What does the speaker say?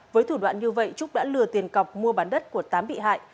với thủ đoạn như vậy trúc đã lừa tiền cọc mua bán đất của tám bị hại